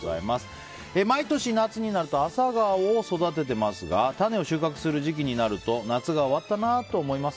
毎年、夏になるとアサガオを育てていますが種を収穫する時期になると夏が終わったなと感じます。